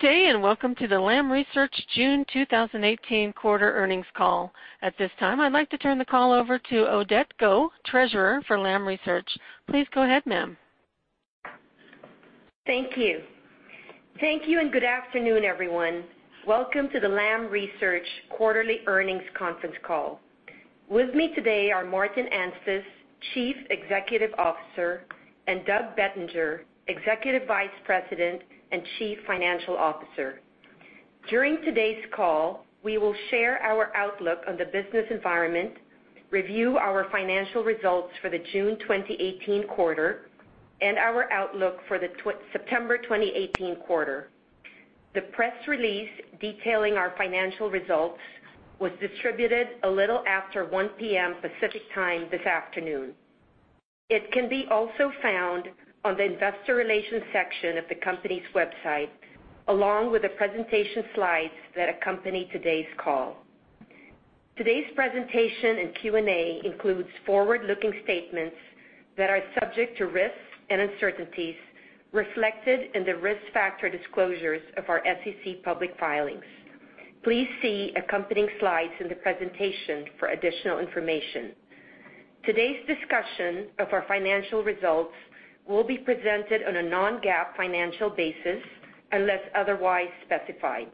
Good day. Welcome to the Lam Research June 2018 quarter earnings call. At this time, I'd like to turn the call over to Odette Go, treasurer for Lam Research. Please go ahead, ma'am. Thank you. Thank you. Good afternoon, everyone. Welcome to the Lam Research quarterly earnings conference call. With me today are Martin Anstice, Chief Executive Officer, and Doug Bettinger, Executive Vice President and Chief Financial Officer. During today's call, we will share our outlook on the business environment, review our financial results for the June 2018 quarter, and our outlook for the September 2018 quarter. The press release detailing our financial results was distributed a little after 1:00 P.M. Pacific Time this afternoon. It can be also found on the investor relations section of the company's website, along with the presentation slides that accompany today's call. Today's presentation and Q&A includes forward-looking statements that are subject to risks and uncertainties reflected in the risk factor disclosures of our SEC public filings. Please see accompanying slides in the presentation for additional information. Today's discussion of our financial results will be presented on a non-GAAP financial basis unless otherwise specified.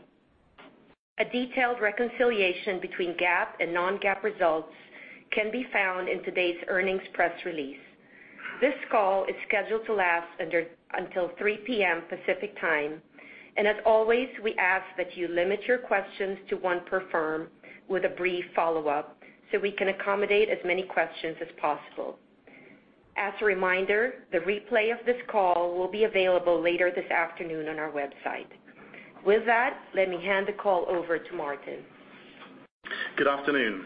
A detailed reconciliation between GAAP and non-GAAP results can be found in today's earnings press release. This call is scheduled to last until 3:00 P.M. Pacific Time, and as always, we ask that you limit your questions to one per firm with a brief follow-up so we can accommodate as many questions as possible. As a reminder, the replay of this call will be available later this afternoon on our website. With that, let me hand the call over to Martin. Good afternoon.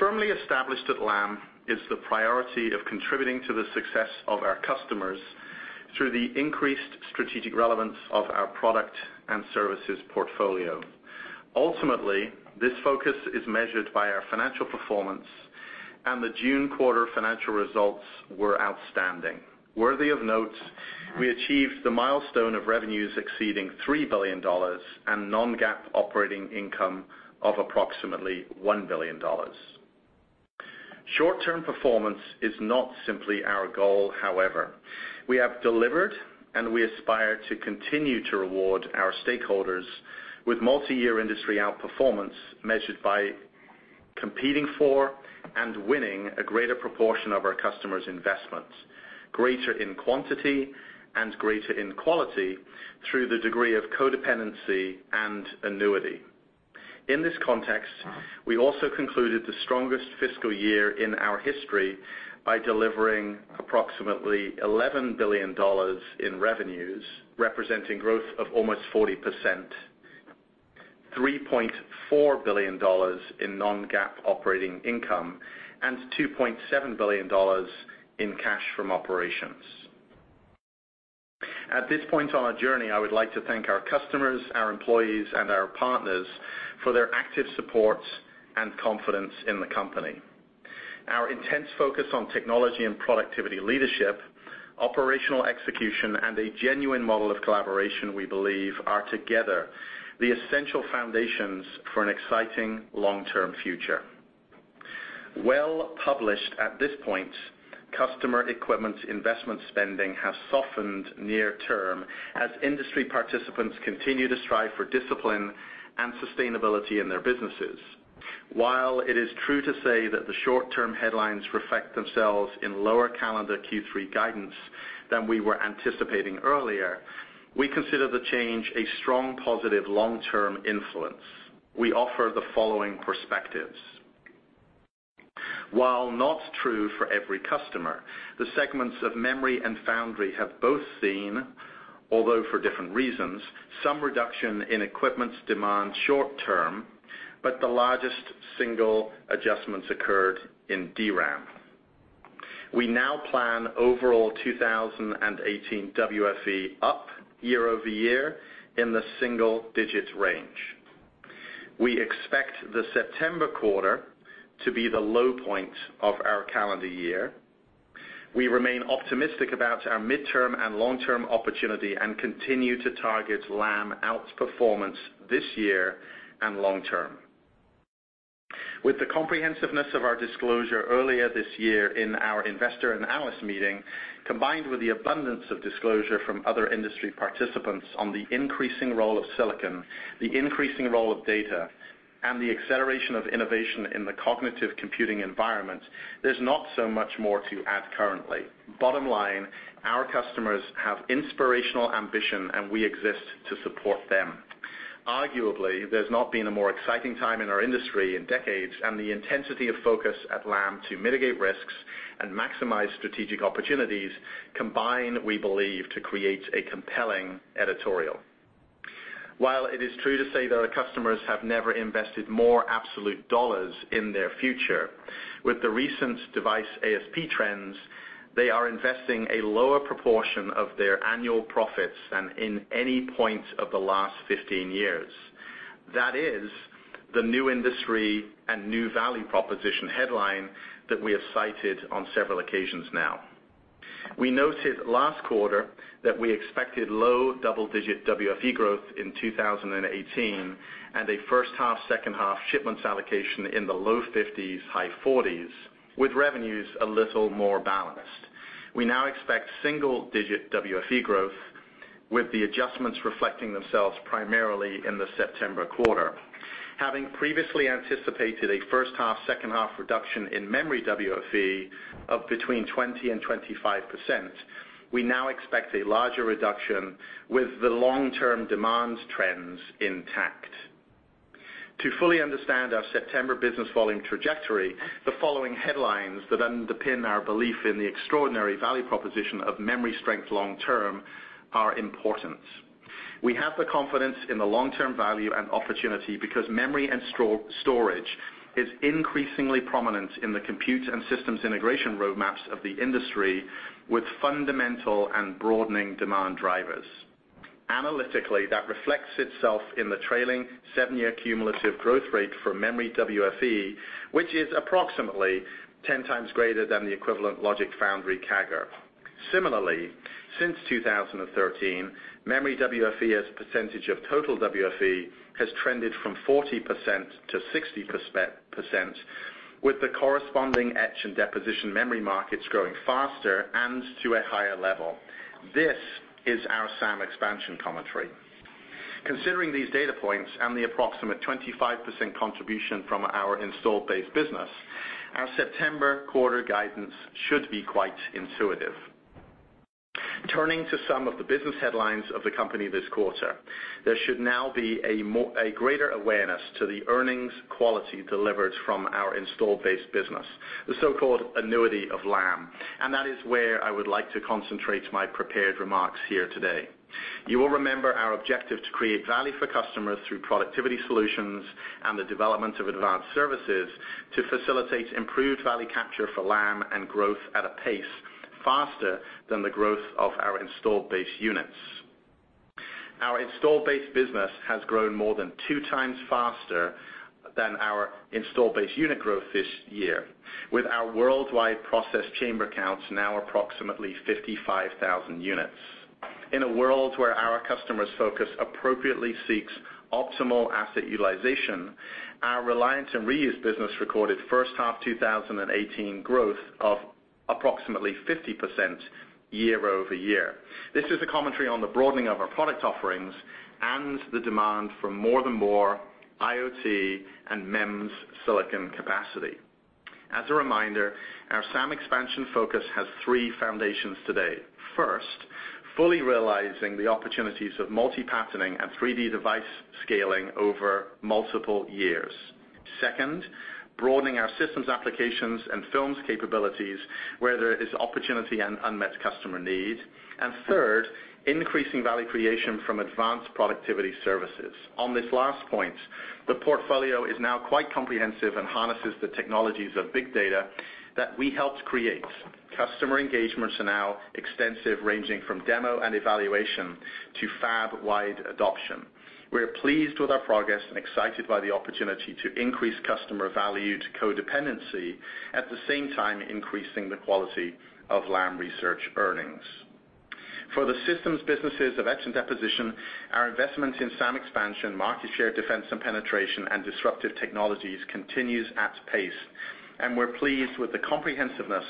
Firmly established at Lam is the priority of contributing to the success of our customers through the increased strategic relevance of our product and services portfolio. Ultimately, this focus is measured by our financial performance, and the June quarter financial results were outstanding. Worthy of note, we achieved the milestone of revenues exceeding $3 billion and non-GAAP operating income of approximately $1 billion. Short-term performance is not simply our goal, however. We have delivered, and we aspire to continue to reward our stakeholders with multi-year industry outperformance measured by competing for and winning a greater proportion of our customers' investments, greater in quantity and greater in quality through the degree of codependency and annuity. In this context, we also concluded the strongest fiscal year in our history by delivering approximately $11 billion in revenues, representing growth of almost 40%, $3.4 billion in non-GAAP operating income, and $2.7 billion in cash from operations. At this point on our journey, I would like to thank our customers, our employees, and our partners for their active support and confidence in the company. Our intense focus on technology and productivity leadership, operational execution, and a genuine model of collaboration, we believe, are together the essential foundations for an exciting long-term future. Well published at this point, customer equipment investment spending has softened near term as industry participants continue to strive for discipline and sustainability in their businesses. While it is true to say that the short-term headlines reflect themselves in lower calendar Q3 guidance than we were anticipating earlier, we consider the change a strong positive long-term influence. We offer the following perspectives. While not true for every customer, the segments of memory and foundry have both seen, although for different reasons, some reduction in equipment demand short term. The largest single adjustments occurred in DRAM. We now plan overall 2018 WFE up year-over-year in the single-digit range. We expect the September quarter to be the low point of our calendar year. We remain optimistic about our midterm and long-term opportunity and continue to target Lam outperformance this year and long term. With the comprehensiveness of our disclosure earlier this year in our investor and analyst meeting, combined with the abundance of disclosure from other industry participants on the increasing role of silicon, the increasing role of data, and the acceleration of innovation in the cognitive computing environment, there's not so much more to add currently. Bottom line, our customers have inspirational ambition. We exist to support them. Arguably, there's not been a more exciting time in our industry in decades. The intensity of focus at Lam to mitigate risks and maximize strategic opportunities combine, we believe, to create a compelling editorial. While it is true to say that our customers have never invested more absolute dollars in their future, with the recent device ASP trends, they are investing a lower proportion of their annual profits than in any point of the last 15 years. That is the new industry and new value proposition headline that we have cited on several occasions now. We noted last quarter that we expected low double-digit WFE growth in 2018 and a first half, second half shipments allocation in the low 50s, high 40s, with revenues a little more balanced. We now expect single-digit WFE growth with the adjustments reflecting themselves primarily in the September quarter. Having previously anticipated a first half, second half reduction in memory WFE of between 20%-25%, we now expect a larger reduction with the long-term demand trends intact. To fully understand our September business volume trajectory, the following headlines that underpin our belief in the extraordinary value proposition of memory strength long term are important. We have the confidence in the long-term value and opportunity because memory and storage is increasingly prominent in the compute and systems integration roadmaps of the industry with fundamental and broadening demand drivers. Analytically, that reflects itself in the trailing seven-year cumulative growth rate for memory WFE, which is approximately 10 times greater than the equivalent logic foundry CAGR. Similarly, since 2013, memory WFE as a percentage of total WFE has trended from 40% to 60%, with the corresponding etch and deposition memory markets growing faster and to a higher level. This is our SAM expansion commentary. Considering these data points and the approximate 25% contribution from our installed base business, our September quarter guidance should be quite intuitive. Turning to some of the business headlines of the company this quarter, there should now be a greater awareness to the earnings quality delivered from our installed base business, the so-called annuity of Lam. That is where I would like to concentrate my prepared remarks here today. You will remember our objective to create value for customers through productivity solutions and the development of advanced services to facilitate improved value capture for Lam and growth at a pace faster than the growth of our installed base units. Our installed base business has grown more than two times faster than our installed base unit growth this year. With our worldwide process chamber counts now approximately 55,000 units. In a world where our customers' focus appropriately seeks optimal asset utilization, our Reliant and reuse business recorded first half 2018 growth of approximately 50% year-over-year. This is a commentary on the broadening of our product offerings and the demand for more than more IoT and MEMS silicon capacity. As a reminder, our SAM expansion focus has three foundations today. First, fully realizing the opportunities of multi-patterning and 3D device scaling over multiple years. Second, broadening our systems applications and films capabilities where there is opportunity and unmet customer need. Third, increasing value creation from advanced productivity services. On this last point, the portfolio is now quite comprehensive and harnesses the technologies of big data that we helped create. Customer engagements are now extensive, ranging from demo and evaluation to fab-wide adoption. We are pleased with our progress and excited by the opportunity to increase customer value to codependency, at the same time, increasing the quality of Lam Research earnings. For the systems businesses of etch and deposition, our investments in SAM expansion, market share defense and penetration, and disruptive technologies continues at pace, and we're pleased with the comprehensiveness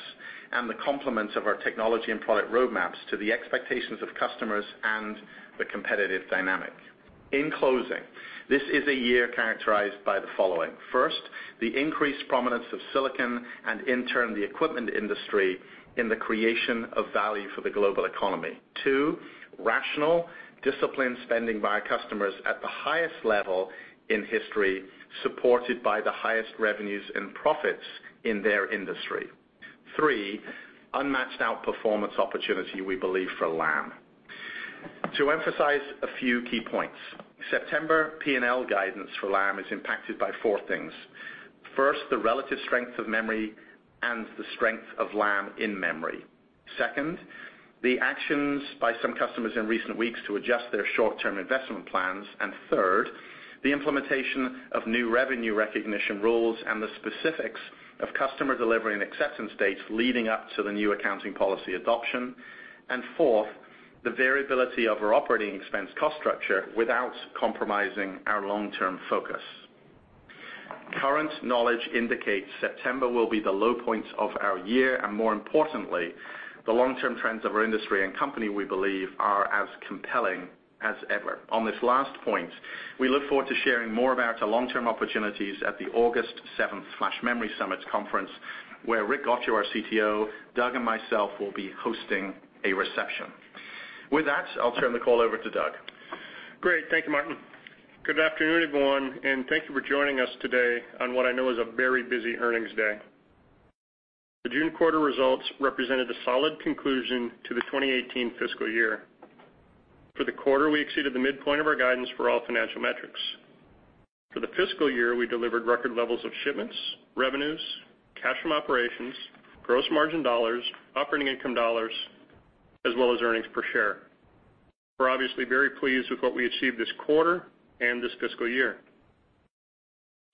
and the complements of our technology and product roadmaps to the expectations of customers and the competitive dynamic. In closing, this is a year characterized by the following. First, the increased prominence of silicon and, in turn, the equipment industry in the creation of value for the global economy. Two, rational, disciplined spending by our customers at the highest level in history, supported by the highest revenues and profits in their industry. Three, unmatched outperformance opportunity, we believe, for Lam. To emphasize a few key points. September P&L guidance for Lam is impacted by four things. First, the relative strength of memory and the strength of Lam in memory. Second, the actions by some customers in recent weeks to adjust their short-term investment plans. Third, the implementation of new revenue recognition rules and the specifics of customer delivery and acceptance dates leading up to the new accounting policy adoption. Fourth, the variability of our operating expense cost structure without compromising our long-term focus. Current knowledge indicates September will be the low point of our year, and more importantly, the long-term trends of our industry and company, we believe, are as compelling as ever. On this last point, we look forward to sharing more about our long-term opportunities at the August 7th Flash Memory Summit conference, where Rick Gottscho, our CTO, Doug, and myself will be hosting a reception. With that, I'll turn the call over to Doug. Great. Thank you, Martin. Good afternoon, everyone, thank you for joining us today on what I know is a very busy earnings day. The June quarter results represented a solid conclusion to the 2018 fiscal year. For the quarter, we exceeded the midpoint of our guidance for all financial metrics. For the fiscal year, we delivered record levels of shipments, revenues, cash from operations, gross margin dollars, operating income dollars, as well as earnings per share. We're obviously very pleased with what we achieved this quarter and this fiscal year.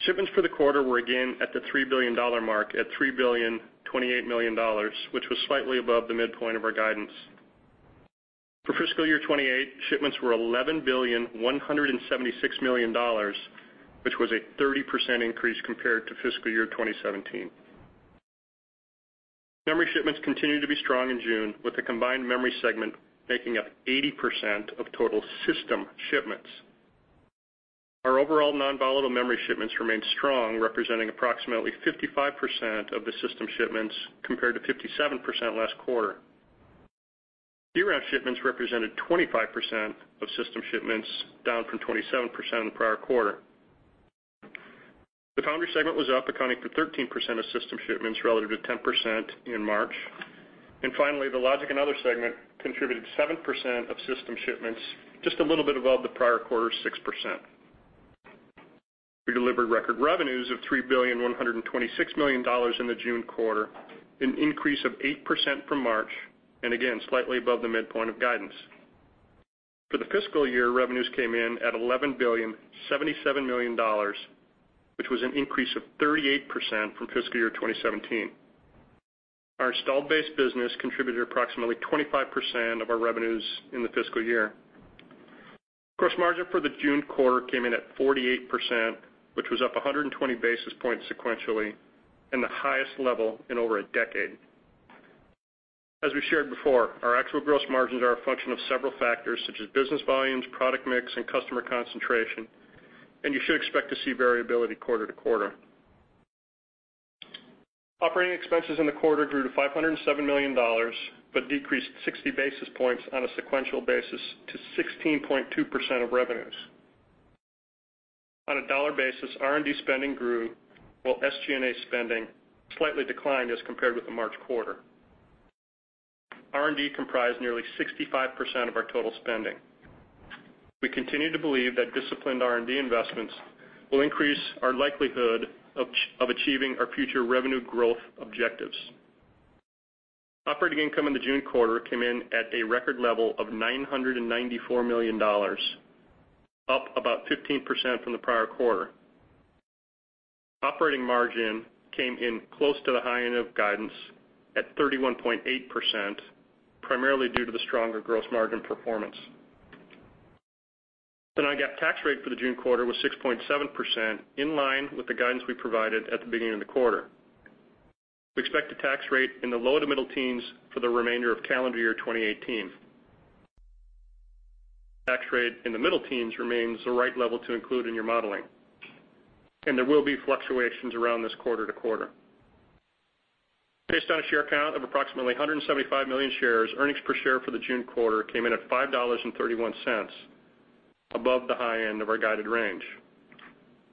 Shipments for the quarter were again at the $3 billion mark, at $3 billion 28 million, which was slightly above the midpoint of our guidance. For fiscal year 2018, shipments were $11 billion 176 million, which was a 30% increase compared to fiscal year 2017. Memory shipments continued to be strong in June, with the combined memory segment making up 80% of total system shipments. Our overall non-volatile memory shipments remained strong, representing approximately 55% of the system shipments, compared to 57% last quarter. DRAM shipments represented 25% of system shipments, down from 27% in the prior quarter. The foundry segment was up, accounting for 13% of system shipments, relative to 10% in March. Finally, the logic and other segment contributed 7% of system shipments, just a little bit above the prior quarter's 6%. We delivered record revenues of $3 billion 126 million in the June quarter, an increase of 8% from March, and again, slightly above the midpoint of guidance. For the fiscal year, revenues came in at $11 billion 77 million, which was an increase of 38% from fiscal year 2017. Our installed base business contributed approximately 25% of our revenues in the fiscal year. Gross margin for the June quarter came in at 48%, which was up 120 basis points sequentially and the highest level in over a decade. As we've shared before, our actual gross margins are a function of several factors such as business volumes, product mix, and customer concentration, and you should expect to see variability quarter to quarter. Operating expenses in the quarter grew to $507 million, but decreased 60 basis points on a sequential basis to 16.2% of revenues. On a dollar basis, R&D spending grew while SG&A spending slightly declined as compared with the March quarter. R&D comprised nearly 65% of our total spending. We continue to believe that disciplined R&D investments will increase our likelihood of achieving our future revenue growth objectives. Operating income in the June quarter came in at a record level of $994 million, up about 15% from the prior quarter. Operating margin came in close to the high end of guidance at 31.8%, primarily due to the stronger gross margin performance. The non-GAAP tax rate for the June quarter was 6.7%, in line with the guidance we provided at the beginning of the quarter. We expect the tax rate in the low to middle teens for the remainder of calendar year 2018. Tax rate in the middle teens remains the right level to include in your modeling. There will be fluctuations around this quarter to quarter. Based on a share count of approximately 175 million shares, earnings per share for the June quarter came in at $5.31, above the high end of our guided range.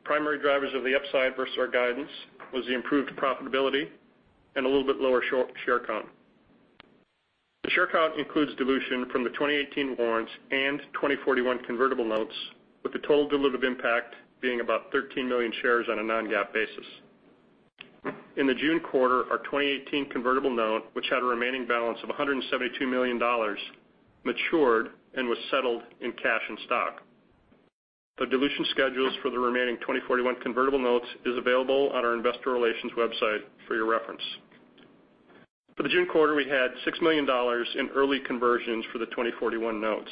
Primary drivers of the upside versus our guidance was the improved profitability and a little bit lower share count. The share count includes dilution from the 2018 warrants and 2041 convertible notes, with the total dilutive impact being about 13 million shares on a non-GAAP basis. In the June quarter, our 2018 convertible note, which had a remaining balance of $172 million, matured and was settled in cash and stock. The dilution schedules for the remaining 2041 convertible notes is available on our investor relations website for your reference. For the June quarter, we had $6 million in early conversions for the 2041 notes.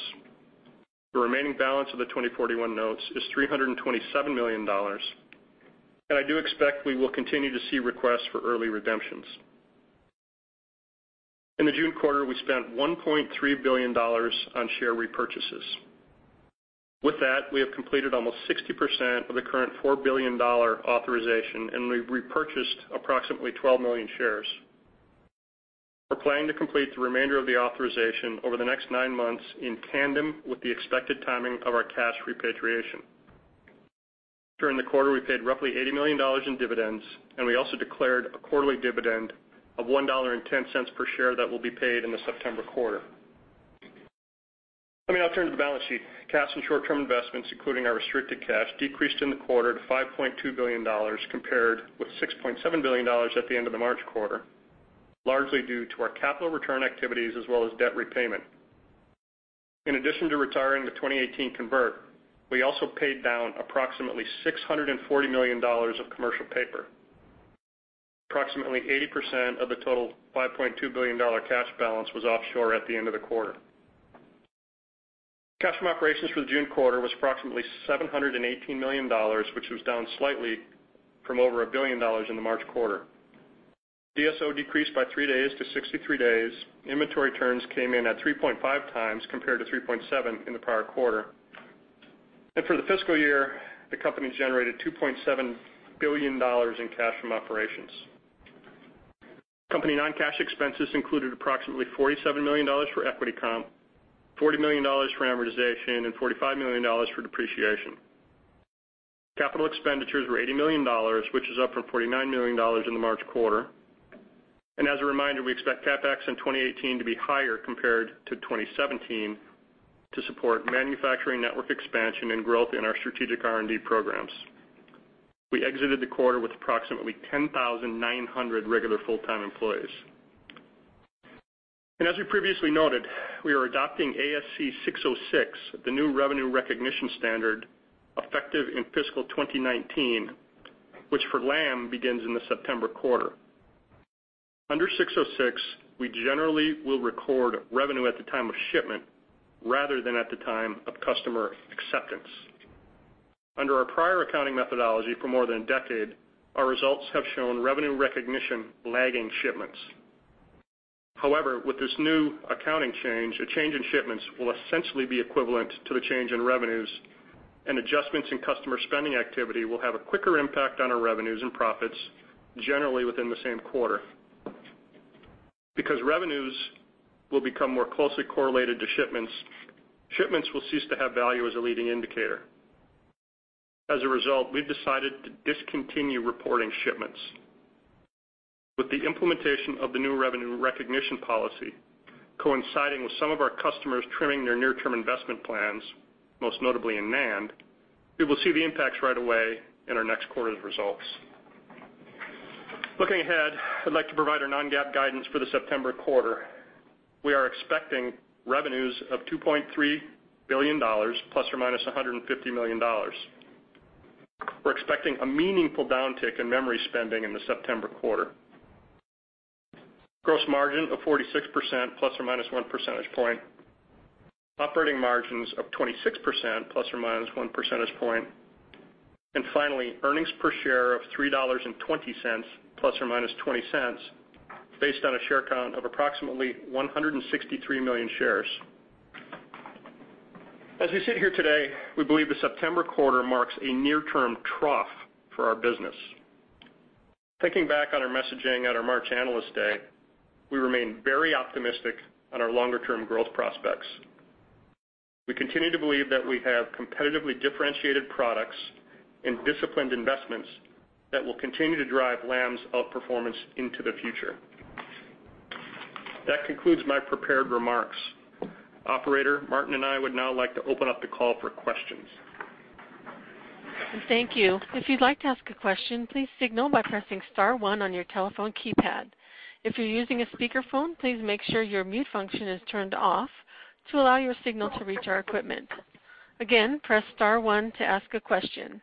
The remaining balance of the 2041 notes is $327 million. I do expect we will continue to see requests for early redemptions. In the June quarter, we spent $1.3 billion on share repurchases. With that, we have completed almost 60% of the current $4 billion authorization. We've repurchased approximately 12 million shares. We're planning to complete the remainder of the authorization over the next nine months in tandem with the expected timing of our cash repatriation. During the quarter, we paid roughly $80 million in dividends. We also declared a quarterly dividend of $1.10 per share that will be paid in the September quarter. Let me now turn to the balance sheet. Cash and short-term investments, including our restricted cash, decreased in the quarter to $5.2 billion, compared with $6.7 billion at the end of the March quarter, largely due to our capital return activities as well as debt repayment. In addition to retiring the 2018 convert, we also paid down approximately $640 million of commercial paper. Approximately 80% of the total $5.2 billion cash balance was offshore at the end of the quarter. Cash from operations for the June quarter was approximately $718 million, which was down slightly from over $1 billion in the March quarter. DSO decreased by three days to 63 days. Inventory turns came in at 3.5 times, compared to 3.7 in the prior quarter. For the fiscal year, the company generated $2.7 billion in cash from operations. Company non-cash expenses included approximately $47 million for equity comp, $40 million for amortization, and $45 million for depreciation. Capital expenditures were $80 million, which is up from $49 million in the March quarter. As a reminder, we expect CapEx in 2018 to be higher compared to 2017 to support manufacturing network expansion and growth in our strategic R&D programs. We exited the quarter with approximately 10,900 regular full-time employees. As we previously noted, we are adopting ASC 606, the new revenue recognition standard, effective in fiscal 2019, which for Lam begins in the September quarter. Under 606, we generally will record revenue at the time of shipment rather than at the time of customer acceptance. Under our prior accounting methodology for more than a decade, our results have shown revenue recognition lagging shipments. However, with this new accounting change, a change in shipments will essentially be equivalent to the change in revenues, and adjustments in customer spending activity will have a quicker impact on our revenues and profits, generally within the same quarter. Because revenues will become more closely correlated to shipments will cease to have value as a leading indicator. As a result, we've decided to discontinue reporting shipments. With the implementation of the new revenue recognition policy coinciding with some of our customers trimming their near-term investment plans, most notably in NAND, we will see the impacts right away in our next quarter's results. Looking ahead, I'd like to provide our non-GAAP guidance for the September quarter. We are expecting revenues of $2.3 billion ± $150 million. We're expecting a meaningful downtick in memory spending in the September quarter. Gross margin of 46% ± 1 percentage point. Operating margins of 26% ± 1 percentage point. Finally, earnings per share of $3.20 ± $0.20, based on a share count of approximately 163 million shares. As we sit here today, we believe the September quarter marks a near-term trough for our business. Thinking back on our messaging at our March Analyst Day, we remain very optimistic on our longer-term growth prospects. We continue to believe that we have competitively differentiated products and disciplined investments that will continue to drive Lam's outperformance into the future. That concludes my prepared remarks. Operator, Martin and I would now like to open up the call for questions. Thank you. If you'd like to ask a question, please signal by pressing star one on your telephone keypad. If you're using a speakerphone, please make sure your mute function is turned off to allow your signal to reach our equipment. Again, press star one to ask a question.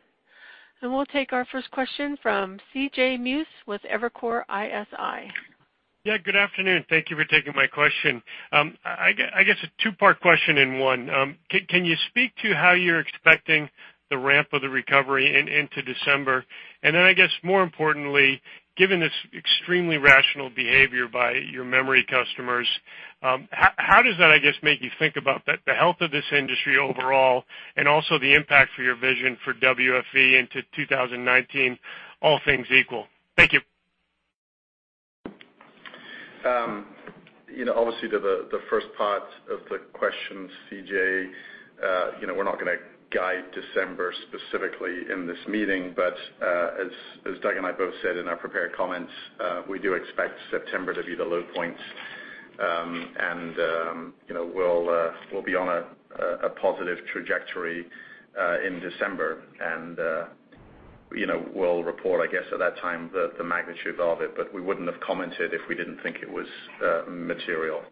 We'll take our first question from C.J. Muse with Evercore ISI. Yeah, good afternoon. Thank you for taking my question. I guess a two-part question in one. Can you speak to how you're expecting the ramp of the recovery into December? Then I guess more importantly, given this extremely rational behavior by your memory customers, how does that, I guess, make you think about the health of this industry overall, and also the impact for your vision for WFE into 2019, all things equal? Thank you. Obviously, the first part of the question, C.J., we're not going to guide December specifically in this meeting, but as Doug and I both said in our prepared comments, we do expect September to be the low point, and we'll be on a positive trajectory in December. We'll report, I guess, at that time the magnitude of it, but we wouldn't have commented if we didn't think it was material.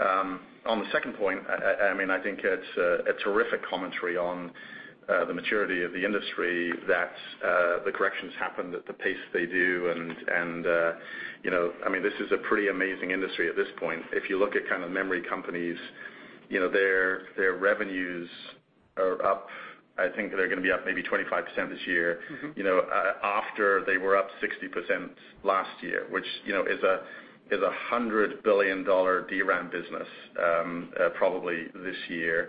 On the second point, I think it's a terrific commentary on the maturity of the industry that the corrections happen at the pace they do, this is a pretty amazing industry at this point. If you look at memory companies, their revenues are up. I think they're going to be up maybe 25% this year. After they were up 60% last year, which is a $100 billion DRAM business probably this year.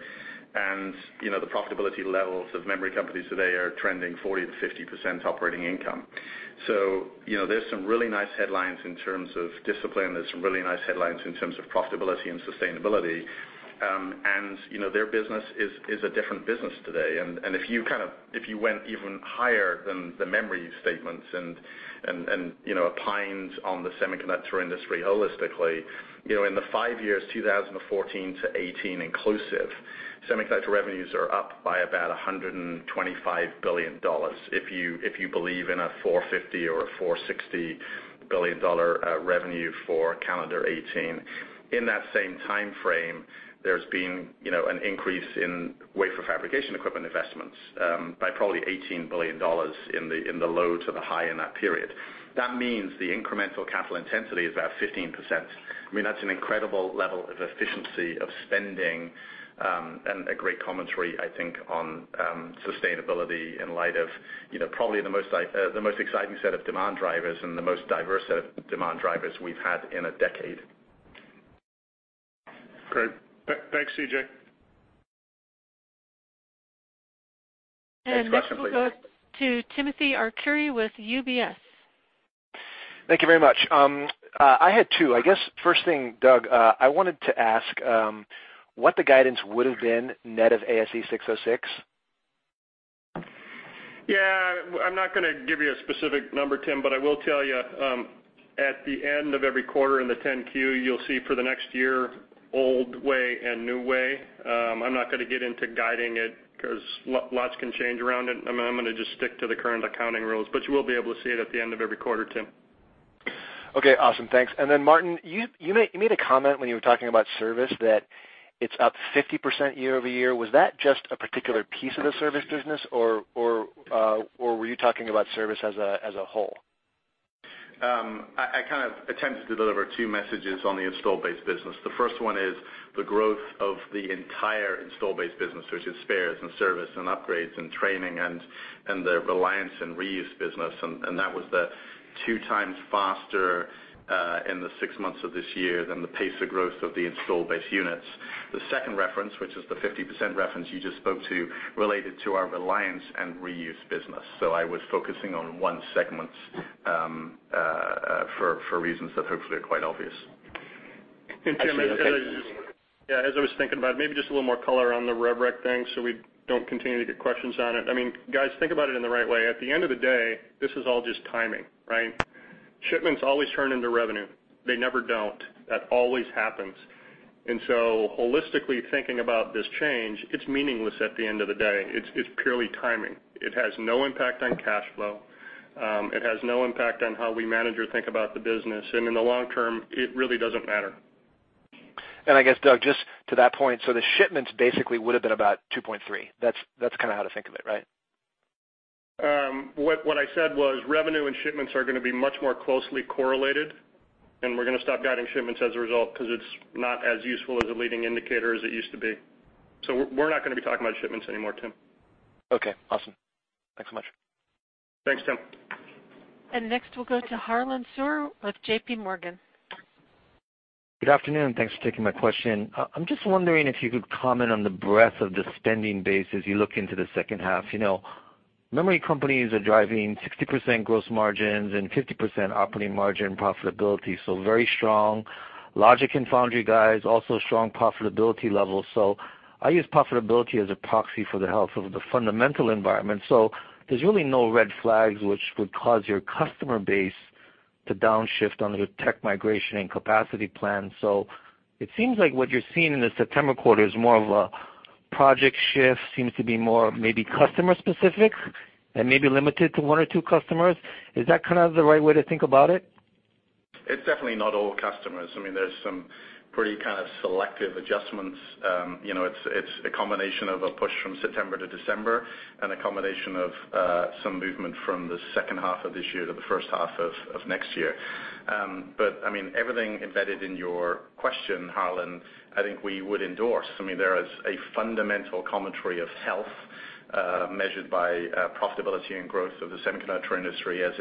The profitability levels of memory companies today are trending 40%-50% operating income. There's some really nice headlines in terms of discipline. There's some really nice headlines in terms of profitability and sustainability. Their business is a different business today. If you went even higher than the memory statements and opines on the semiconductor industry holistically, in the five years, 2014-2018 inclusive, semiconductor revenues are up by about $125 billion if you believe in a $450 billion or $460 billion revenue for calendar 2018. In that same timeframe, there's been an increase in wafer fabrication equipment investments by probably $18 billion in the low to the high in that period. That means the incremental capital intensity is about 15%. That's an incredible level of efficiency of spending and a great commentary, I think, on sustainability in light of probably the most exciting set of demand drivers and the most diverse set of demand drivers we've had in a decade. Great. Thanks, C.J. Next we'll go to Timothy Arcuri with UBS. Thank you very much. I had two. I guess first thing, Doug, I wanted to ask what the guidance would have been net of ASC 606. Yeah. I'm not going to give you a specific number, Tim, but I will tell you at the end of every quarter in the 10-Q, you'll see for the next year, old way and new way. I'm not going to get into guiding it because lots can change around it. I'm going to just stick to the current accounting rules, but you will be able to see it at the end of every quarter, Tim. Okay, awesome. Thanks. Martin, you made a comment when you were talking about service that it's up 50% year-over-year. Was that just a particular piece of the service business or were you talking about service as a whole? I kind of attempted to deliver two messages on the installed base business. The first one is the growth of the entire install-based business, which is spares and service and upgrades and training and the Reliant and reuse business. That was the two times faster, in the six months of this year than the pace of growth of the install-based units. The second reference, which is the 50% reference you just spoke to, related to our Reliant and reuse business. I was focusing on one segment for reasons that hopefully are quite obvious. Actually, okay. Tim, as I was thinking about it, maybe just a little more color on the rev rec thing so we don't continue to get questions on it. Guys, think about it in the right way. At the end of the day, this is all just timing, right? Shipments always turn into revenue. They never don't. That always happens. Holistically thinking about this change, it's meaningless at the end of the day. It's purely timing. It has no impact on cash flow. It has no impact on how we manage or think about the business. In the long term, it really doesn't matter. I guess, Doug, just to that point, the shipments basically would have been about $2.3. That's kind of how to think of it, right? What I said was revenue and shipments are going to be much more closely correlated, and we're going to stop guiding shipments as a result because it's not as useful as a leading indicator as it used to be. We're not going to be talking about shipments anymore, Tim. Okay, awesome. Thanks so much. Thanks, Tim. Next we'll go to Harlan Sur with JPMorgan. Good afternoon. Thanks for taking my question. I'm just wondering if you could comment on the breadth of the spending base as you look into the second half. Memory companies are driving 60% gross margins and 50% operating margin profitability, so very strong. Logic and foundry guys, also strong profitability levels. I use profitability as a proxy for the health of the fundamental environment. There's really no red flags which would cause your customer base to downshift on your tech migration and capacity plan. It seems like what you're seeing in the September quarter is more of a project shift, seems to be more maybe customer specific and maybe limited to one or two customers. Is that kind of the right way to think about it? It's definitely not all customers. There's some pretty kind of selective adjustments. It's a combination of a push from September to December and a combination of some movement from the second half of this year to the first half of next year. Everything embedded in your question, Harlan, I think we would endorse. There is a fundamental commentary of health measured by profitability and growth of the semiconductor industry as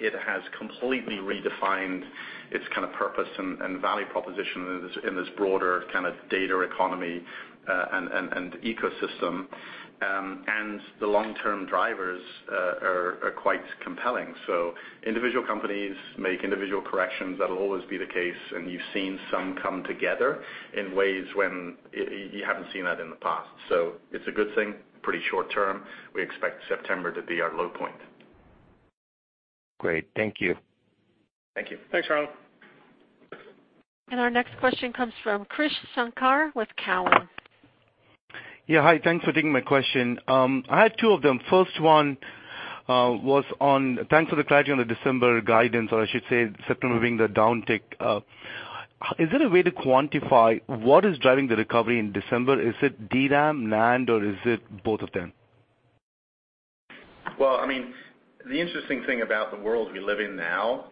it has completely redefined its kind of purpose and value proposition in this broader kind of data economy and ecosystem. The long-term drivers are quite compelling. Individual companies make individual corrections. That'll always be the case. You've seen some come together in ways when you haven't seen that in the past. It's a good thing. Pretty short term. We expect September to be our low point. Great. Thank you. Thank you. Thanks, Harlan. Our next question comes from Krish Sankar with Cowen. Hi. Thanks for taking my question. I had two of them. First one, thanks for the clarity on the December guidance, or I should say September being the downtick. Is there a way to quantify what is driving the recovery in December? Is it DRAM, NAND, or is it both of them? Well, the interesting thing about the world we live in now,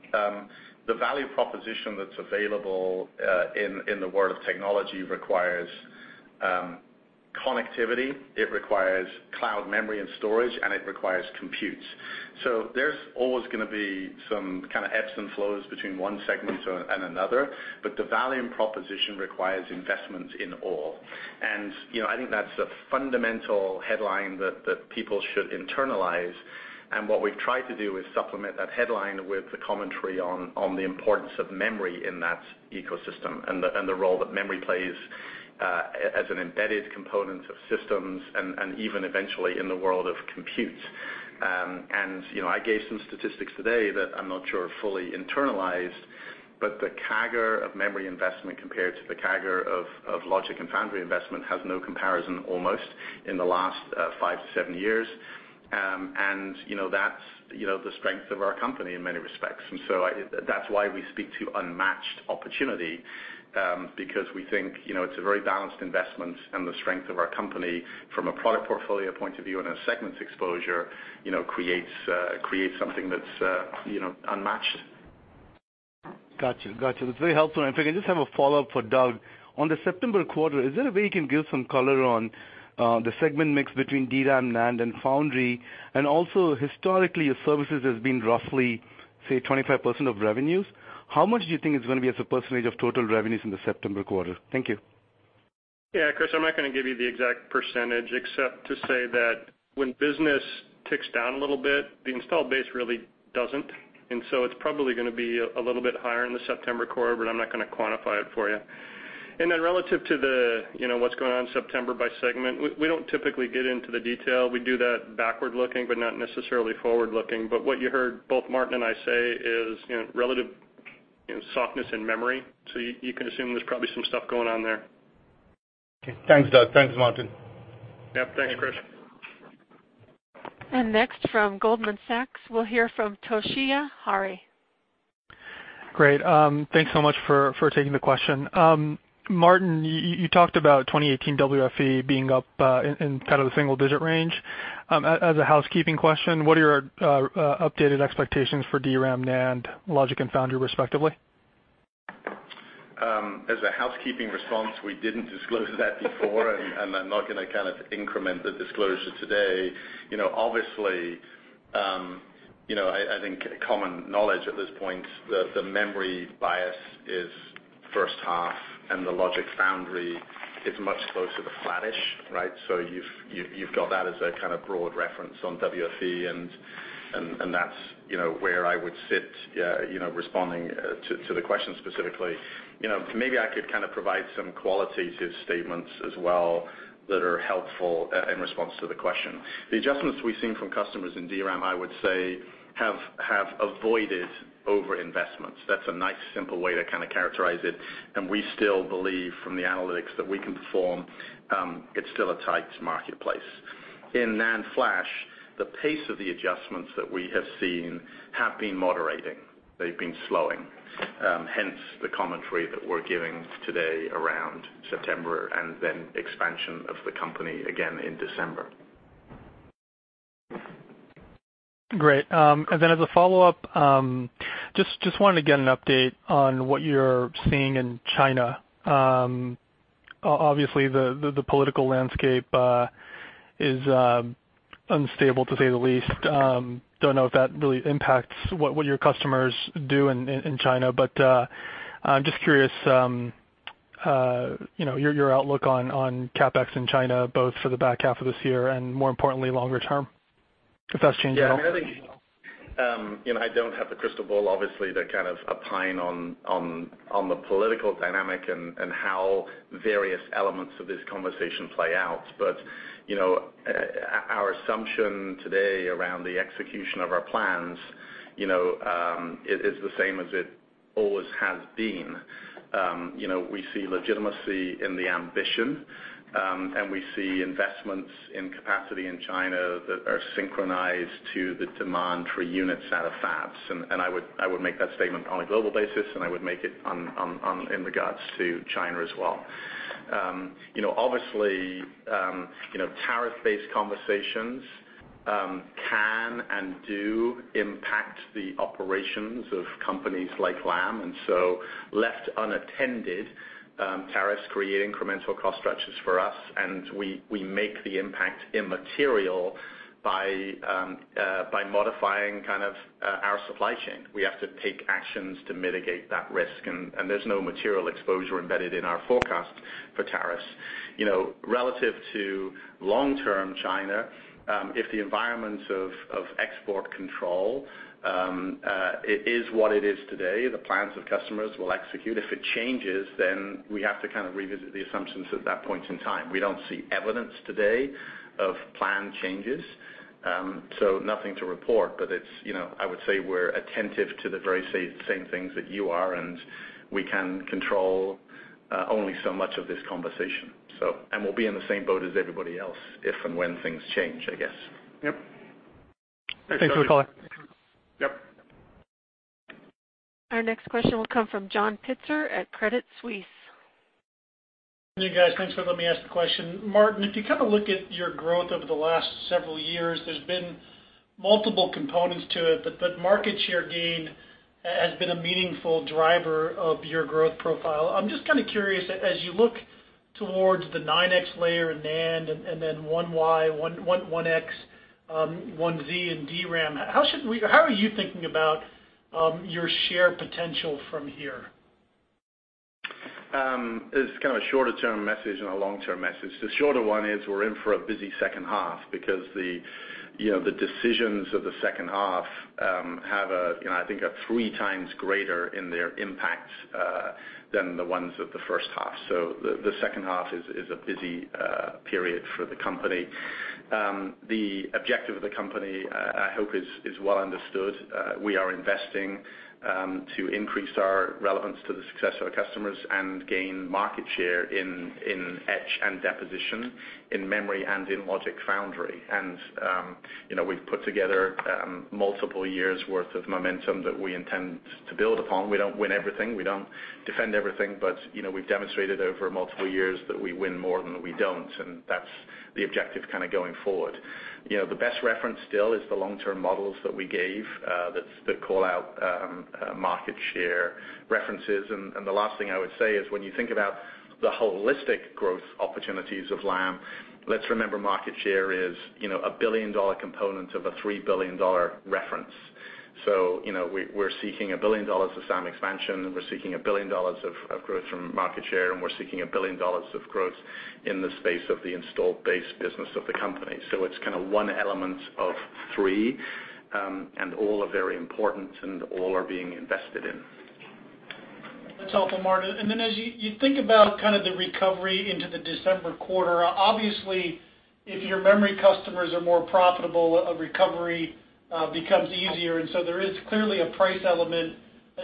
the value proposition that's available in the world of technology requires connectivity, it requires cloud memory and storage, and it requires computes. There's always going to be some kind of ebbs and flows between one segment and another, but the value and proposition requires investments in all. I think that's the fundamental headline that people should internalize. What we've tried to do is supplement that headline with the commentary on the importance of memory in that ecosystem and the role that memory plays as an embedded component of systems and even eventually in the world of compute. I gave some statistics today that I'm not sure are fully internalized, but the CAGR of memory investment compared to the CAGR of logic and foundry investment has no comparison almost in the last five to seven years. That's the strength of our company in many respects. That's why we speak to unmatched opportunity, because we think it's a very balanced investment and the strength of our company from a product portfolio point of view and a segments exposure creates something that's unmatched. Got you. That's very helpful. If I can just have a follow-up for Doug. On the September quarter, is there a way you can give some color on the segment mix between DRAM, NAND, and Foundry? Also historically, your services has been roughly, say, 25% of revenues. How much do you think it's going to be as a % of total revenues in the September quarter? Thank you. Yeah, Krish, I'm not going to give you the exact % except to say that when business ticks down a little bit, the install base really doesn't. It's probably going to be a little bit higher in the September quarter, but I'm not going to quantify it for you. Relative to what's going on in September by segment, we don't typically get into the detail. We do that backward-looking, but not necessarily forward-looking. What you heard both Martin and I say is relative softness in memory. You can assume there's probably some stuff going on there. Okay. Thanks, Doug. Thanks, Martin. Yep, thanks, Krish. Next from Goldman Sachs, we'll hear from Toshiya Hari. Great. Thanks so much for taking the question. Martin, you talked about 2018 WFE being up in kind of the single-digit range. As a housekeeping question, what are your updated expectations for DRAM, NAND, logic, and foundry, respectively? As a housekeeping response, we didn't disclose that before. I'm not going to kind of increment the disclosure today. Obviously, I think common knowledge at this point, the memory bias is first half. The logic foundry is much closer to flattish. You've got that as a kind of broad reference on WFE. That's where I would sit responding to the question specifically. Maybe I could kind of provide some qualitative statements as well that are helpful in response to the question. The adjustments we've seen from customers in DRAM, I would say, have avoided over-investments. That's a nice simple way to kind of characterize it. We still believe from the analytics that we can perform, it's still a tight marketplace. In NAND flash, the pace of the adjustments that we have seen have been moderating. They've been slowing. Hence the commentary that we're giving today around September. Then expansion of the company again in December. Great. As a follow-up, just wanted to get an update on what you're seeing in China. Obviously, the political landscape is unstable, to say the least. Do not know if that really impacts what your customers do in China. I'm just curious your outlook on CapEx in China, both for the back half of this year and more importantly, longer term, if that's changed at all. Yeah, I don't have the crystal ball, obviously, to kind of opine on the political dynamic and how various elements of this conversation play out. Our assumption today around the execution of our plans is the same as it always has been. We see legitimacy in the ambition. We see investments in capacity in China that are synchronized to the demand for units out of fabs. I would make that statement on a global basis. I would make it in regards to China as well. Obviously, tariff-based conversations can and do impact the operations of companies like Lam. Left unattended, tariffs create incremental cost structures for us. We make the impact immaterial by modifying our supply chain. We have to take actions to mitigate that risk. There's no material exposure embedded in our forecast for tariffs. Relative to long-term China, if the environment of export control is what it is today, the plans of customers will execute. If it changes, then we have to kind of revisit the assumptions at that point in time. We don't see evidence today of plan changes, so nothing to report, but I would say we're attentive to the very same things that you are, and we can control only so much of this conversation. We'll be in the same boat as everybody else if and when things change, I guess. Yep. Thanks for the call. Yep. Our next question will come from John Pitzer at Credit Suisse. Hey, guys. Thanks for letting me ask the question. Martin, if you kind of look at your growth over the last several years, there's been multiple components to it, but market share gain has been a meaningful driver of your growth profile. I'm just kind of curious, as you look towards the 9X layer in NAND and then 1Y, 1X, 1Z in DRAM, how are you thinking about your share potential from here? There's kind of a shorter-term message and a long-term message. The shorter one is we're in for a busy second half because the decisions of the second half have, I think, a three times greater in their impact than the ones of the first half. The second half is a busy period for the company. The objective of the company, I hope, is well understood. We are investing to increase our relevance to the success of our customers and gain market share in etch and deposition, in memory, and in logic foundry. We've put together multiple years' worth of momentum that we intend to build upon. We don't win everything, we don't defend everything, but we've demonstrated over multiple years that we win more than we don't, and that's the objective kind of going forward. The best reference still is the long-term models that we gave that call out market share references. The last thing I would say is when you think about the holistic growth opportunities of Lam, let's remember market share is a $1 billion component of a $3 billion reference. We're seeking $1 billion of SAM expansion, we're seeking $1 billion of growth from market share, and we're seeking $1 billion of growth in the space of the installed base business of the company. It's kind of one element of three, and all are very important, and all are being invested in. That's helpful, Martin. As you think about the recovery into the December quarter, obviously, if your memory customers are more profitable, a recovery becomes easier, there is clearly a price element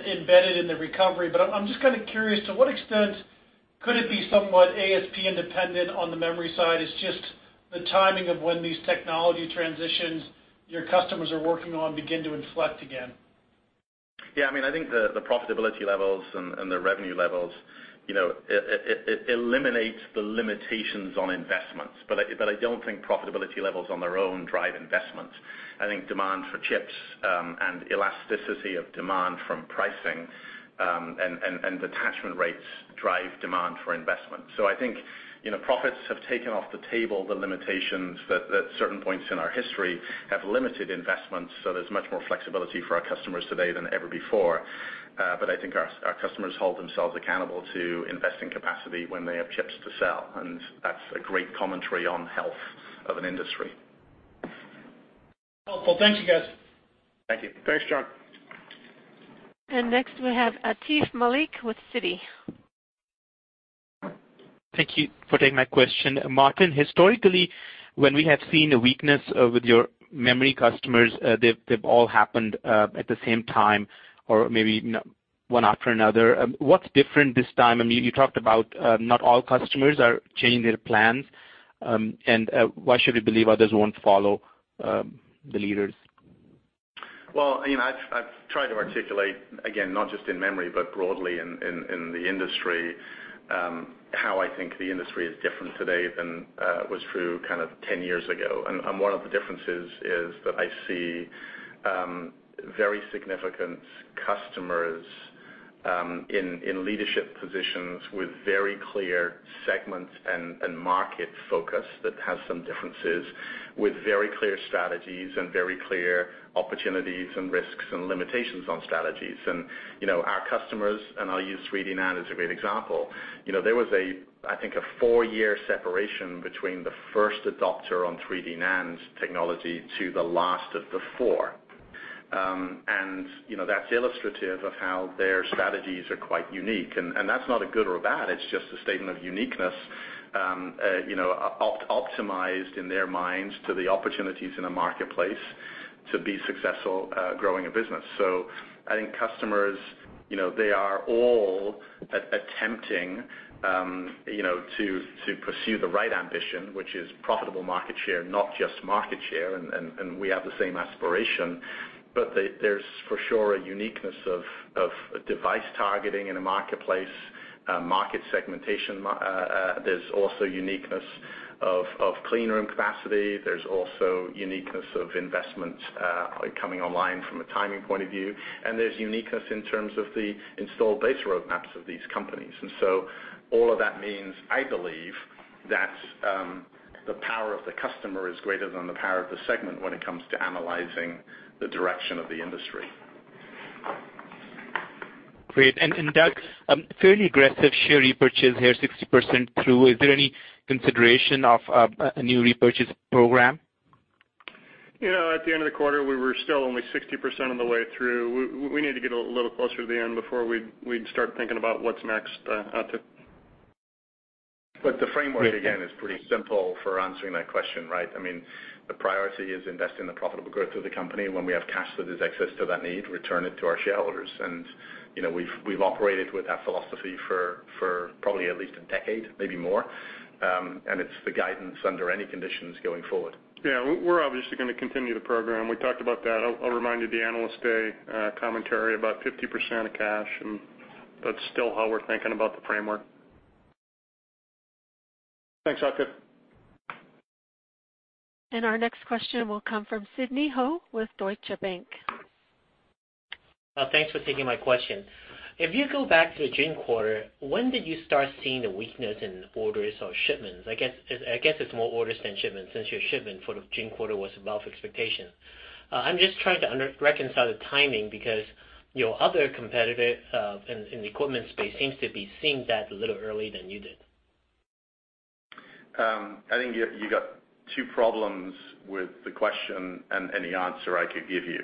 embedded in the recovery. I'm just curious, to what extent could it be somewhat ASP independent on the memory side? It's just the timing of when these technology transitions your customers are working on begin to inflect again. I think the profitability levels and the revenue levels, it eliminates the limitations on investments. I don't think profitability levels on their own drive investment. I think demand for chips and elasticity of demand from pricing, and attach rates drive demand for investment. I think, profits have taken off the table the limitations that at certain points in our history have limited investments, there's much more flexibility for our customers today than ever before. I think our customers hold themselves accountable to investing capacity when they have chips to sell, and that's a great commentary on health of an industry. Helpful. Thanks, you guys. Thank you. Thanks, John. Next we have Atif Malik with Citi. Thank you for taking my question. Martin, historically, when we have seen a weakness with your memory customers, they've all happened at the same time or maybe one after another. What's different this time? You talked about not all customers are changing their plans, why should we believe others won't follow the leaders? Well, I've tried to articulate, again, not just in memory, but broadly in the industry, how I think the industry is different today than it was through kind of 10 years ago. One of the differences is that I see very significant customers in leadership positions with very clear segments and market focus that has some differences with very clear strategies and very clear opportunities and risks and limitations on strategies. Our customers, and I'll use 3D NAND as a great example. There was, I think, a four-year separation between the first adopter on 3D NAND technology to the last of the four. That's illustrative of how their strategies are quite unique. That's not a good or a bad, it's just a statement of uniqueness, optimized in their minds to the opportunities in a marketplace to be successful growing a business. I think customers, they are all attempting to pursue the right ambition, which is profitable market share, not just market share, and we have the same aspiration. There's for sure a uniqueness of device targeting in a marketplace, market segmentation. There's also uniqueness of clean room capacity. There's also uniqueness of investment coming online from a timing point of view, and there's uniqueness in terms of the installed base roadmaps of these companies. All of that means, I believe, that the power of the customer is greater than the power of the segment when it comes to analyzing the direction of the industry. Great. Doug, fairly aggressive share repurchase here, 60% through. Is there any consideration of a new repurchase program? At the end of the quarter, we were still only 60% of the way through. We need to get a little closer to the end before we'd start thinking about what's next, Atif. The framework, again, is pretty simple for answering that question, right? The priority is invest in the profitable growth of the company. When we have cash that is excess to that need, return it to our shareholders. We've operated with that philosophy for probably at least a decade, maybe more, and it's the guidance under any conditions going forward. Yeah, we're obviously going to continue the program. We talked about that. I'll remind you the Analyst Day commentary, about 50% of cash, and that's still how we're thinking about the framework. Thanks, Atif. Our next question will come from Sidney Ho with Deutsche Bank. Thanks for taking my question. If you go back to the June quarter, when did you start seeing the weakness in orders or shipments? I guess it's more orders than shipments, since your shipment for the June quarter was above expectation. I'm just trying to reconcile the timing because your other competitor in the equipment space seems to be seeing that a little early than you did. I think you got two problems with the question and any answer I could give you.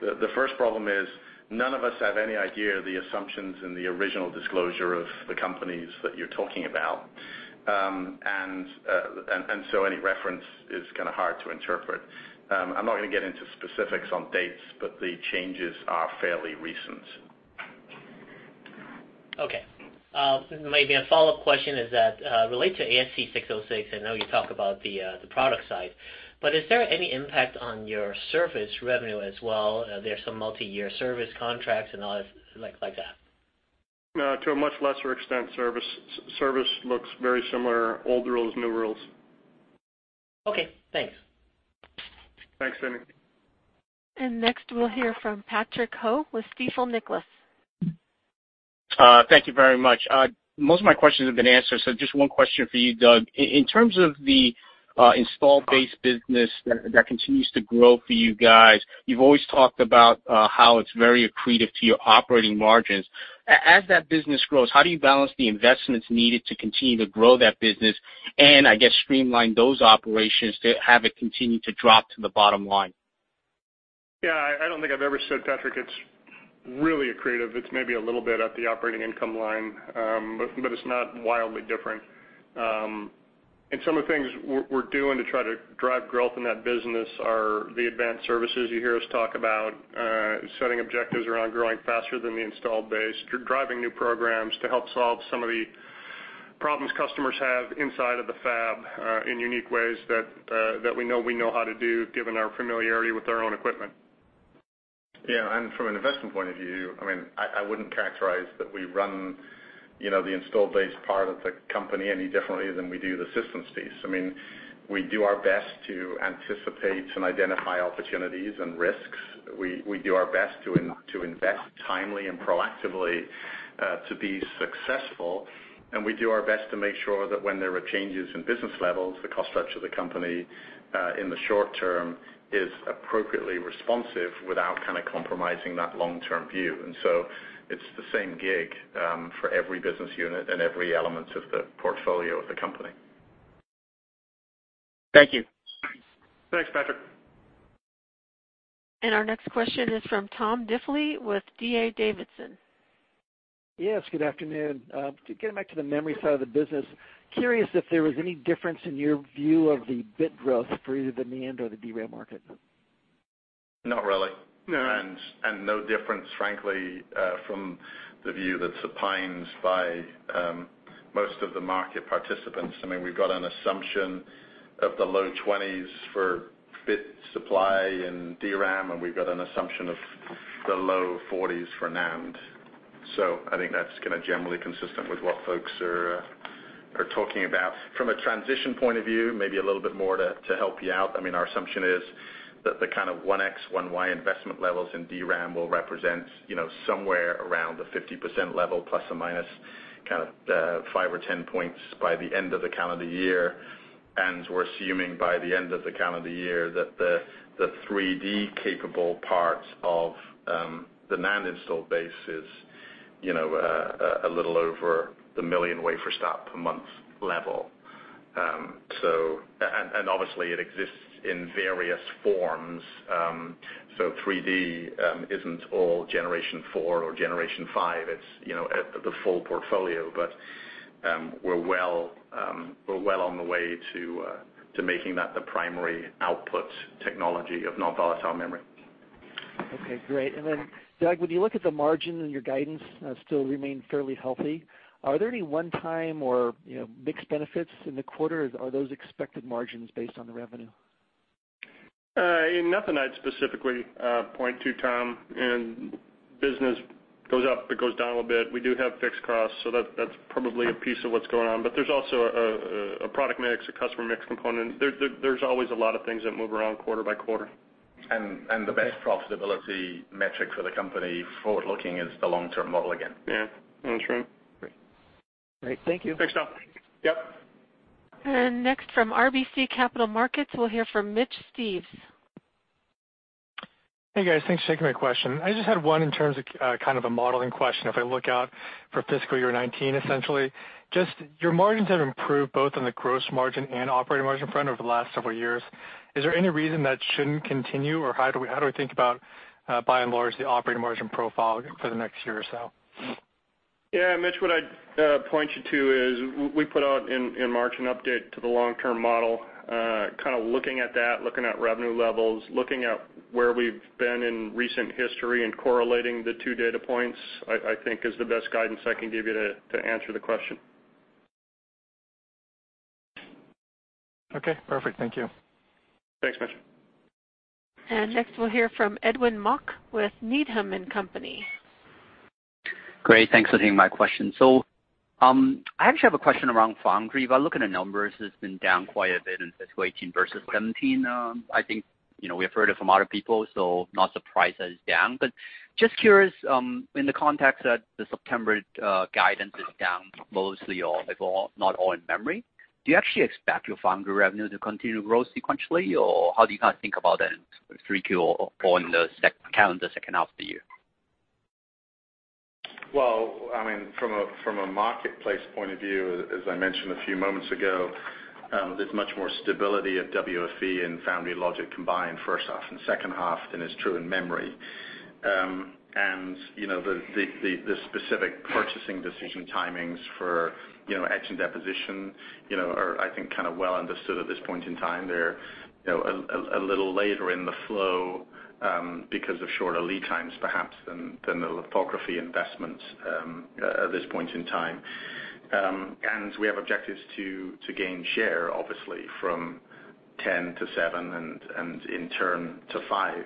The first problem is none of us have any idea of the assumptions in the original disclosure of the companies that you're talking about. Any reference is kind of hard to interpret. I'm not going to get into specifics on dates, but the changes are fairly recent. Okay. Maybe a follow-up question is that related to ASC 606, I know you talk about the product side, but is there any impact on your service revenue as well? There's some multi-year service contracts and all like that. No, to a much lesser extent, service looks very similar. Old rules, new rules. Okay, thanks. Thanks, Sidney. Next we'll hear from Patrick Ho with Stifel Nicolaus. Thank you very much. Most of my questions have been answered, so just one question for you, Doug. In terms of the install base business that continues to grow for you guys, you've always talked about how it's very accretive to your operating margins. As that business grows, how do you balance the investments needed to continue to grow that business and I guess streamline those operations to have it continue to drop to the bottom line? I don't think I've ever said, Patrick, it's really accretive. It's maybe a little bit at the operating income line, but it's not wildly different. Some of the things we're doing to try to drive growth in that business are the advanced services. You hear us talk about setting objectives around growing faster than the installed base, driving new programs to help solve some of the problems customers have inside of the fab in unique ways that we know how to do, given our familiarity with our own equipment. From an investment point of view, I wouldn't characterize that we run the installed base part of the company any differently than we do the systems piece. We do our best to anticipate and identify opportunities and risks. We do our best to invest timely and proactively to be successful, and we do our best to make sure that when there are changes in business levels, the cost structure of the company, in the short term, is appropriately responsive without compromising that long-term view. So it's the same gig for every business unit and every element of the portfolio of the company. Thank you. Thanks, Patrick. Our next question is from Tom Diffley with D.A. Davidson. Yes, good afternoon. To get back to the memory side of the business, curious if there was any difference in your view of the bit growth for either the NAND or the DRAM market. Not really. No. No difference, frankly, from the view that's opined by most of the market participants. We've got an assumption of the low 20s for bit supply in DRAM, and we've got an assumption of the low 40s for NAND. I think that's generally consistent with what folks are talking about. From a transition point of view, maybe a little bit more to help you out, our assumption is that the kind of 1X, 1Y investment levels in DRAM will represent somewhere around the 50% level, plus or minus five or 10 points by the end of the calendar year. We're assuming by the end of the calendar year that the 3D-capable parts of the NAND install base is a little over the 1 million wafer start per month level. Obviously, it exists in various forms. So 3D isn't all generation 4 or generation 5, it's the full portfolio. We're well on the way to making that the primary output technology of non-volatile memory. Okay, great. Doug, when you look at the margin and your guidance still remain fairly healthy, are there any one-time or mixed benefits in the quarter, or are those expected margins based on the revenue? Nothing I'd specifically point to, Tom. Business goes up, it goes down a little bit. We do have fixed costs, so that's probably a piece of what's going on. There's also a product mix, a customer mix component. There's always a lot of things that move around quarter by quarter. The best profitability metric for the company forward-looking is the long-term model again. Yeah. That's right. Great. All right, thank you. Thanks, Tom. Yep. Next from RBC Capital Markets, we'll hear from Mitch Steves. Hey, guys. Thanks for taking my question. I just had one in terms of a modeling question. If I look out for fiscal year 2019, essentially, just your margins have improved both on the gross margin and operating margin front over the last several years. Is there any reason that shouldn't continue, or how do we think about by and large the operating margin profile for the next year or so? Yeah, Mitch, what I'd point you to is we put out in March an update to the long-term model, looking at that, looking at revenue levels, looking at where we've been in recent history and correlating the two data points, I think is the best guidance I can give you to answer the question. Okay, perfect. Thank you. Thanks, Mitch. Next we'll hear from Edwin Mok with Needham & Company. Great. Thanks for taking my question. I actually have a question around foundry. If I look at the numbers, it's been down quite a bit in fiscal 2018 versus fiscal 2017. I think we have heard it from other people, so not surprised that it's down. Just curious, in the context that the September guidance is down mostly or not all in memory, do you actually expect your foundry revenue to continue to grow sequentially, or how do you guys think about that in 3Q or on the calendar second half of the year? Well, from a marketplace point of view, as I mentioned a few moments ago, there's much more stability at WFE and Foundry Logic combined first half and second half than is true in memory. The specific purchasing decision timings for etch and deposition are, I think, well understood at this point in time. They're a little later in the flow because of shorter lead times, perhaps, than the lithography investments at this point in time. We have objectives to gain share, obviously, from 10 to seven and in turn to five.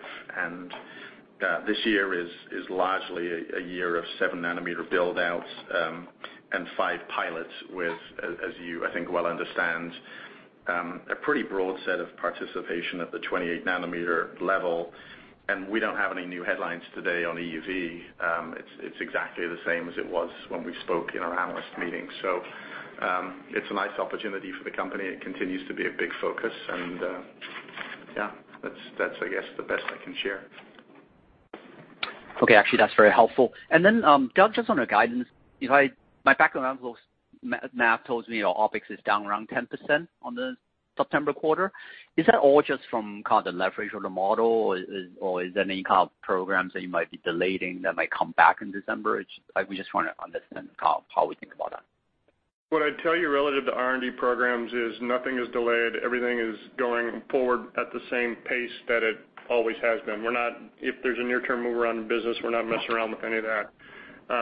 This year is largely a year of seven nanometer build-outs and five pilots with, as you, I think, well understand, a pretty broad set of participation at the 28 nanometer level. We don't have any new headlines today on EUV. It's exactly the same as it was when we spoke in our analyst meeting. It's a nice opportunity for the company. It continues to be a big focus. Yeah, that's I guess the best I can share. Actually, that's very helpful. Doug, just on the guidance, my background math tells me your OpEx is down around 10% on the September quarter. Is that all just from the leverage of the model, or is there any kind of programs that you might be delaying that might come back in December? We just want to understand how we think about that. What I'd tell you relative to R&D programs is nothing is delayed. Everything is going forward at the same pace that it always has been. If there's a near-term move around in business, we're not messing around with any of that.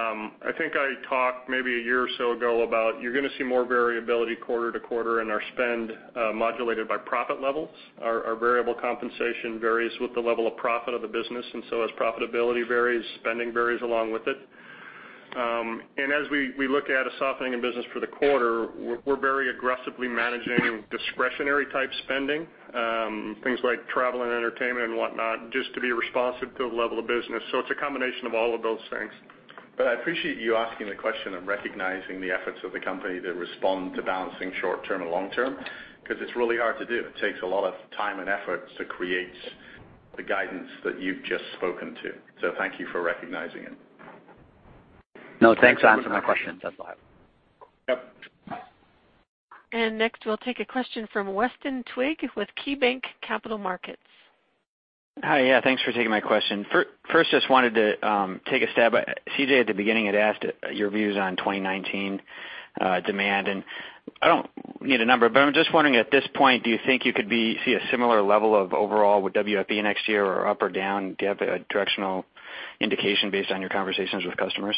I think I talked maybe a year or so ago about you're going to see more variability quarter-to-quarter in our spend, modulated by profit levels. Our variable compensation varies with the level of profit of the business, as profitability varies, spending varies along with it. As we look at a softening in business for the quarter, we're very aggressively managing discretionary type spending, things like travel and entertainment and whatnot, just to be responsive to the level of business. It's a combination of all of those things. I appreciate you asking the question and recognizing the efforts of the company to respond to balancing short-term and long-term, because it's really hard to do. It takes a lot of time and effort to create the guidance that you've just spoken to. Thank you for recognizing it. Thanks for answering my question. That's all I have. Yep. Next, we'll take a question from Weston Twigg with KeyBanc Capital Markets. Hi. Thanks for taking my question. First, just wanted to take a stab at, C.J., at the beginning, had asked your views on 2019 demand, and I don't need a number, but I'm just wondering, at this point, do you think you could see a similar level of overall with WFE next year or up or down? Do you have a directional indication based on your conversations with customers?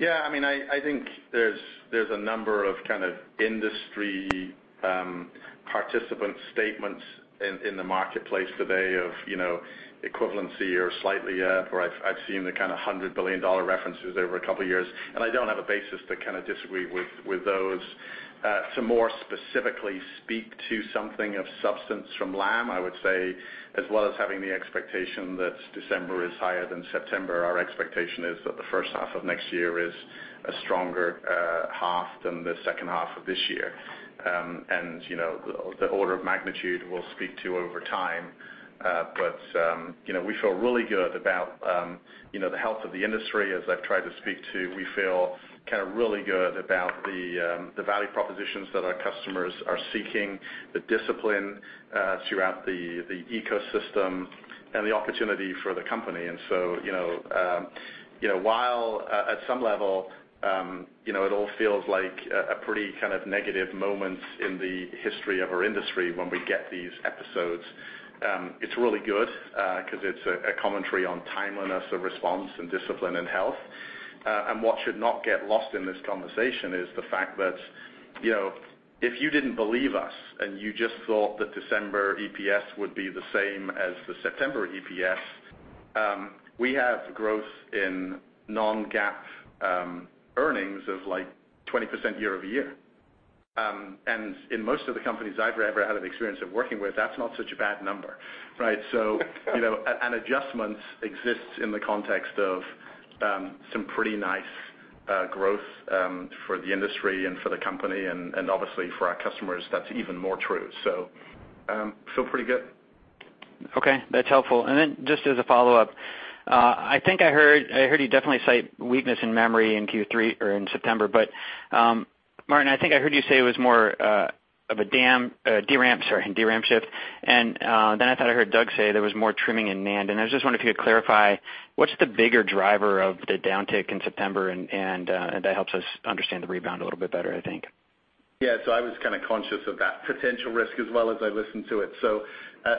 I think there's a number of kind of industry participant statements in the marketplace today of equivalency or slightly up, or I've seen the kind of $100 billion references over a couple of years, and I don't have a basis to kind of disagree with those. To more specifically speak to something of substance from Lam, I would say, as well as having the expectation that December is higher than September, our expectation is that the first half of next year is a stronger half than the second half of this year. The order of magnitude we'll speak to over time. We feel really good about the health of the industry, as I've tried to speak to. We feel kind of really good about the value propositions that our customers are seeking, the discipline throughout the ecosystem and the opportunity for the company. While at some level, it all feels like a pretty kind of negative moment in the history of our industry when we get these episodes, it's really good because it's a commentary on timeliness of response and discipline and health. What should not get lost in this conversation is the fact that, if you didn't believe us and you just thought that December EPS would be the same as the September EPS, we have growth in non-GAAP earnings of 20% year-over-year. In most of the companies I've ever had an experience of working with, that's not such a bad number, right? An adjustment exists in the context of some pretty nice growth for the industry and for the company and obviously for our customers, that's even more true. Feel pretty good. Okay. That's helpful. Just as a follow-up, I think I heard you definitely cite weakness in memory in Q3 or in September. Martin, I think I heard you say it was more of a DRAM shift. I thought I heard Doug say there was more trimming in NAND. I just wonder if you could clarify, what's the bigger driver of the downtick in September, and that helps us understand the rebound a little bit better, I think. Yeah. I was kind of conscious of that potential risk as well as I listened to it.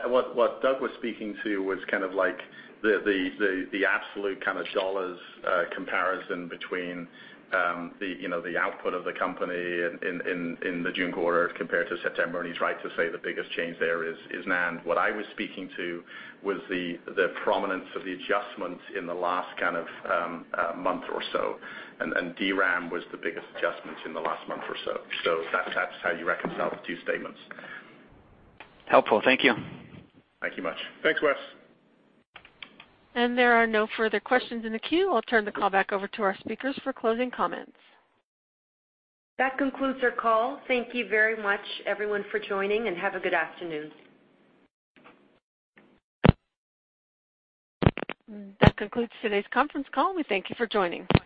What Doug was speaking to was kind of like the absolute kind of dollars comparison between the output of the company in the June quarter compared to September. He's right to say the biggest change there is NAND. What I was speaking to was the prominence of the adjustment in the last kind of month or so, and DRAM was the biggest adjustment in the last month or so. That's how you reconcile the two statements. Helpful. Thank you. Thank you much. Thanks, Wes. There are no further questions in the queue. I'll turn the call back over to our speakers for closing comments. That concludes our call. Thank you very much, everyone, for joining, and have a good afternoon. That concludes today's conference call. We thank you for joining.